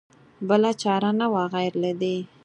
بله چاره نه وه غیر له دې.